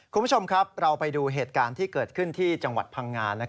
คุณผู้ชมครับเราไปดูเหตุการณ์ที่เกิดขึ้นที่จังหวัดพังงา